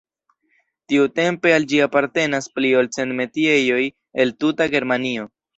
Tiutempe al ĝi apartenas pli ol cent metiejoj el tuta Germanio.